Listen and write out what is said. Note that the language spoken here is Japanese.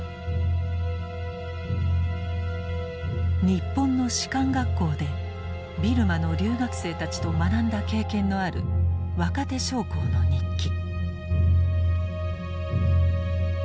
日本の士官学校でビルマの留学生たちと学んだ経験のある若手将校の日記。